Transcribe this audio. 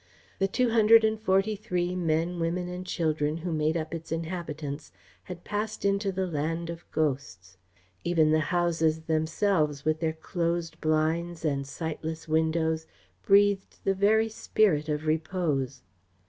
The two hundred and forty three men, women and children who made up its inhabitants, had passed into the land of ghosts. Even the houses themselves, with their closed blinds and sightless windows, breathed the very spirit of repose.